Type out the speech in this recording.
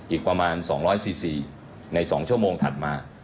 อีกประมาณ๒๔๔ใน๒ชั่วโมงถัดมา